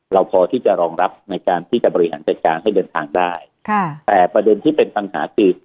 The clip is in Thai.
เราพอที่จะรองรับในการที่จะบริหารจัดการให้เดินทางได้ค่ะแต่ประเด็นที่เป็นปัญหาคือ